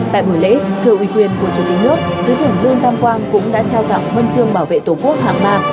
tại buổi lễ thưa ủy quyền của chủ tịch nước thứ trưởng lương tam quang cũng đã trao tặng hân trường bảo vệ tổ quốc hàng bàn